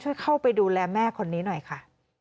ช่วยเข้าไปดูแลแม่คนนี้หน่อยค่ะ